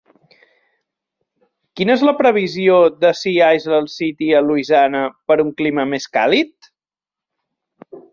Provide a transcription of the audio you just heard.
quina és la previsió de Sea Isle City, a Louisiana, per un clima més càlid?